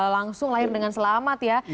langsung lahir dengan selamat ya